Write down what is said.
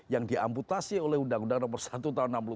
yang diamputasi oleh undang undang nomor satu tahun enam puluh tujuh